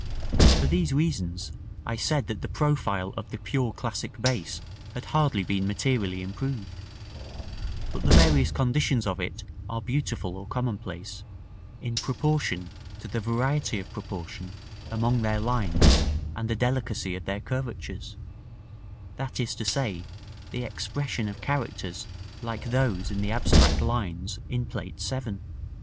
§ IX. For these reasons, I said that the profile of the pure classic base had hardly been materially improved; but the various conditions of it are beautiful or commonplace, in proportion to the variety of proportion among their lines and the delicacy of their curvatures; that is to say, the expression of characters like those of the abstract lines in Plate VII.